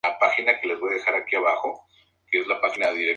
Se trata de un convento de estilo moderno, y realizado en hormigón.